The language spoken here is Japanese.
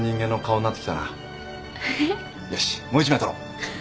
よしもう１枚撮ろう。